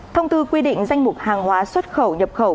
thông tư quy định danh mục hàng hóa xuất khẩu nhập khẩu